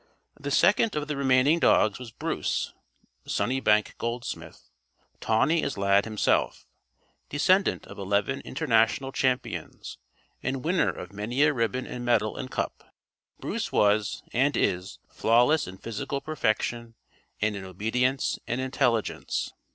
The second of the remaining dogs was Bruce ("Sunnybank Goldsmith"), tawny as Lad himself, descendant of eleven international champions and winner of many a ribbon and medal and cup. Bruce was and is flawless in physical perfection and in obedience and intelligence.